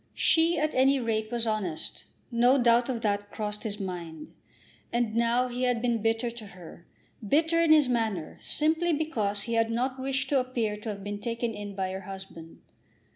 She at any rate was honest. No doubt of that crossed his mind. And now he had been bitter to her, bitter in his manner, simply because he had not wished to appear to have been taken in by her husband.